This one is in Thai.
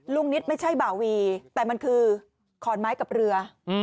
นิดไม่ใช่บ่าวีแต่มันคือขอนไม้กับเรือ